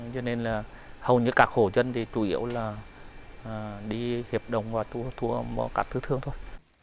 cho nên là hầu như cả khổ dân thì chủ yếu là đi hiệp đồng và thu mua cả thứ thương thôi